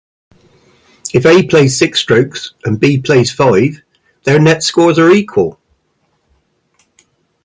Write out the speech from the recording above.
If A plays six strokes and B plays five, their "net" scores are equal.